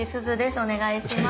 お願いします。